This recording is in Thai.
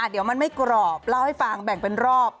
เดี๋ยวมันไม่กรอบเล่าให้ฟังแบ่งเป็นรอบ